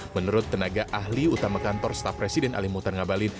menurut tenaga ahli utama kantor staf presiden alimutangabalin